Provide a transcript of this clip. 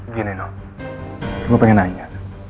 gini dong gue pengen nanya